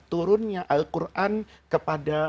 turunnya al quran kepada